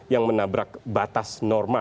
yang menabrak batas norma